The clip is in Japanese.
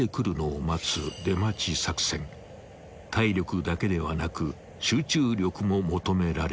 ［体力だけではなく集中力も求められる］